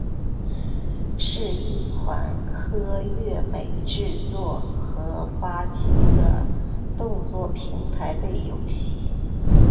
是一款由科乐美制作和发行的动作平台类游戏。